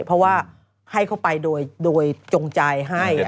เพราะว่าให้เขาไปโดยจงใจให้